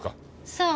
そう。